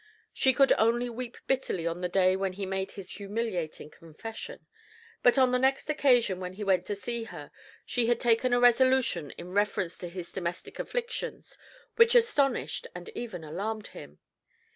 She could only weep bitterly on the day when he made his humiliating confession, but on the next occasion when he went to see her she had taken a resolution in reference to his domestic afflictions which astonished and even alarmed him.